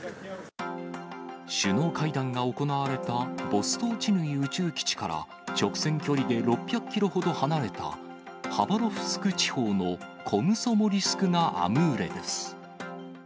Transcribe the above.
首脳会談が行われたボストーチヌイ宇宙基地から、直線距離で６００キロほど離れた、ハバロフスク州のコムソモリスクナアムーレです。